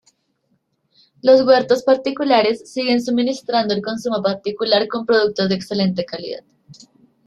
Los huertos particulares siguen suministrando el consumo particular con productos de excelente calidad.